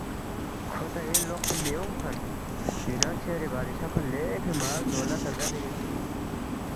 کھو تا ینگ لوقسے مِہ اونگ کھن، یُونان شہری بادشاہ کھو لیگی مال دولت رگدے یودپی،